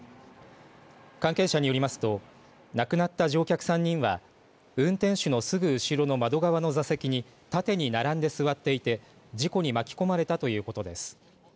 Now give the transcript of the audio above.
関係者によりますと亡くなった乗客３人は運転手のすぐ後ろの窓側の座席に縦に並んで座っていて事故に巻き込まれたということです。